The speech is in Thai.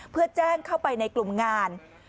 เพื่อแจ้งเข้าไปในกลุ่มงาน